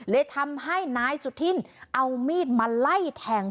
เลยทำให้นายสุธินเอามีดมาไล่แทง